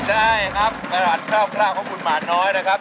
ได้ครับตลาดคร่าวของคุณหมาน้อยนะครับ